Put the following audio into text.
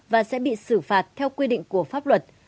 và sẽ bị xử phạt theo quy định của pháp luật